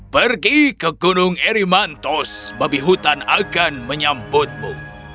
pergi ke gunung erymantos babi hutan akan menyambutmu